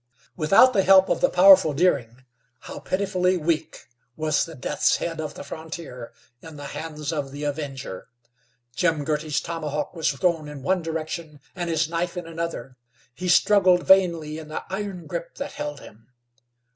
Without the help of the powerful Deering, how pitifully weak was the Deathshead of the frontier in the hands of the Avenger! Jim Girty's tomahawk was thrown in one direction and his knife in another. He struggled vainly in the iron grip that held him.